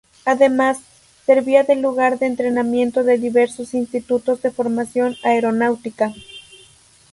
Además, servía de lugar de entrenamiento de diversos institutos de formación aeronáutica.